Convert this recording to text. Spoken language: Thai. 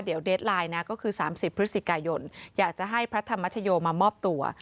เดี๋ยวเดสไลน์นะก็คือ๓๐พฤศจิกายนอยากจะให้พระธรรมชโยมามอบตัว